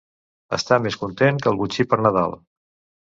Estar més content que el botxí per Nadal.